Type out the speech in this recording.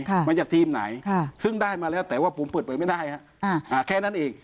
มาจากทีมไหนค่ะซึ่งได้มาแล้วแต่ว่าผมเปิดเผยไม่ได้ฮะอ่าอ่าแค่นั้นเอง